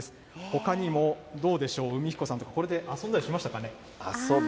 ほかにもどうでしょう、海彦さんとかこれで遊んだりしましたかね。